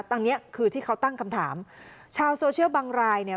ตรงเนี้ยคือที่เขาตั้งคำถามชาวโซเชียลบางรายเนี่ย